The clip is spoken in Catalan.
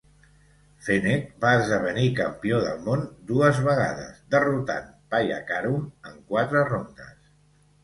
Fenech va esdevenir campió del món dues vegades derrotant Payakarum en quatre rondes.